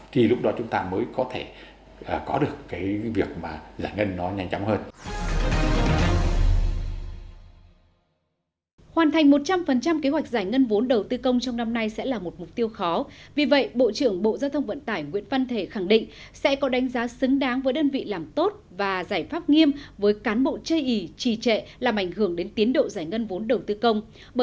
thì lúc đó chúng ta mới có thể có được việc giải ngân nó nhanh chóng hơn